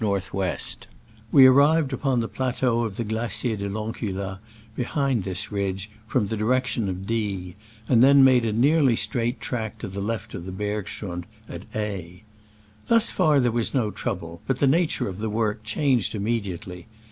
NAV, We ar rived upon the plateau of the Gla cier de I'Encula, behind this ridge, from the direction of D, and then made a nearly straight track to the left hand of the bergschrund at A. Thus far there was no trouble, but the nature of the work changed immediately.